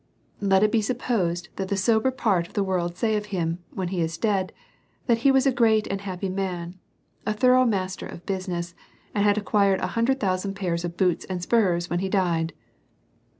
Let it be supposed that the sober part of the world say of him when he is dead, that he was a great and happy man, a thorough master of business, and had acquired an hundred thousand pairs of boots and spurs when he died.